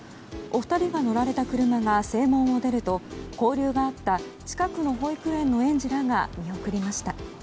お二人が乗られた車が正門を出ると交流があった、近くの保育園の園児らが見送りました。